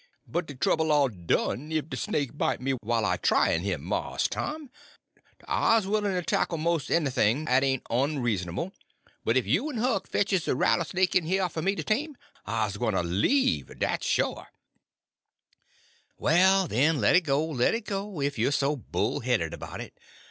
"But de trouble all done ef de snake bite me while I's a tryin' him. Mars Tom, I's willin' to tackle mos' anything 'at ain't onreasonable, but ef you en Huck fetches a rattlesnake in heah for me to tame, I's gwyne to leave, dat's shore." "Well, then, let it go, let it go, if you're so bull headed about it.